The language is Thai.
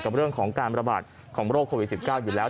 กับเรื่องของการระบาดของโรคโควิด๑๙อยู่แล้ว